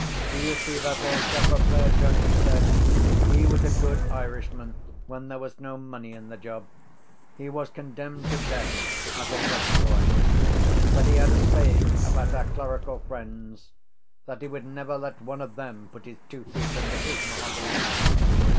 —Do you see that old chap up there, John? he said. He was a good Irishman when there was no money in the job. He was condemned to death as a whiteboy. But he had a saying about our clerical friends, that he would never let one of them put his two feet under his mahogany.